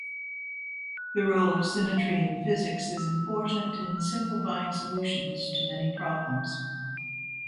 The role of symmetry in physics is important in simplifying solutions to many problems.